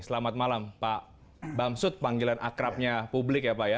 selamat malam pak bamsud panggilan akrabnya publik ya pak ya